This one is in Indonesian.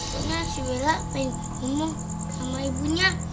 karena si bella pengen ngomong sama ibunya